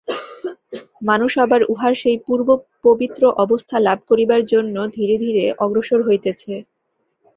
মানুষ আবার উহার সেই পূর্ব পবিত্র অবস্থা লাভ করিবার জন্য ধীরে ধীরে অগ্রসর হইতেছে।